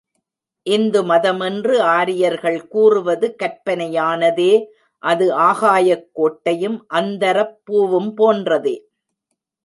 இந்து மதமென்று ஆரியர்கள் கூறுவது கற்பனையானதே அது ஆகாயக் கோட்டையும் அந்தரப் பூவும் போன்றதே.